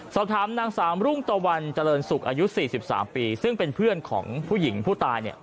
สอบถามนางสามรุ่งตะวันเจริญศุกร์อายุ๔๓ปีซึ่งเป็นเพื่อนของผู้หญิงผู้ตายเนี่ย